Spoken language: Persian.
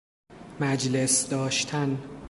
مجلس داشتن